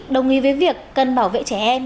đồng ý với việc cần bảo vệ trẻ em